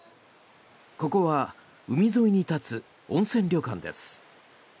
ここは、海沿いに立つ温泉旅館です。